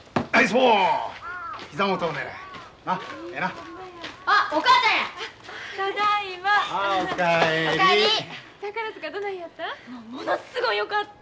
もうものすごうよかった。